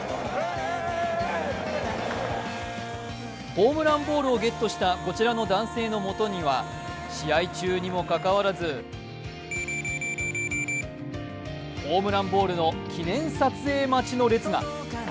ホームランボールをゲットしたこちらの男性のもとには試合中にもかかわらずホームランボールの記念撮影待ちの列が。